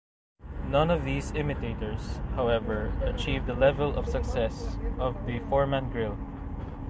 None of these imitators, however, achieved the level of success of the Foreman Grill.